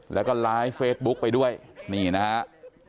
แล้วก็ไลฟ์เฟซบุ๊คไปด้วยนี่นะครับ